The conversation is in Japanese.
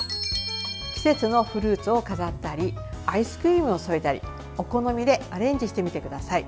季節のフルーツを飾ったりアイスクリームを添えたりお好みでアレンジしてみてください。